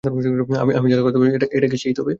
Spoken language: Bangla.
আমি যার কথা ভাবছি এটা কি সে-ই?